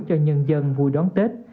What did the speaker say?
cho nhân dân vui đón tết